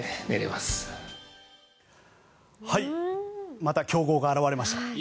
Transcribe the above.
また強豪が現れました。